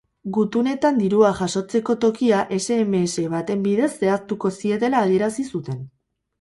Gutunetan dirua jasotzeko tokia sms baten bidez zehaztuko zietela adierazten zuten.